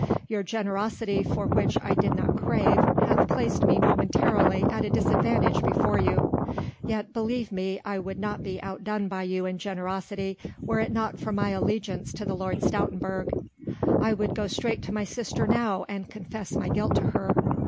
Your generosity for which I did not crave hath placed me momentarily at a disadvantage before you. Yet believe me I would not be outdone by you in generosity; were it not for my allegiance to the Lord Stoutenburg I would go straight to my sister now and confess my guilt to her....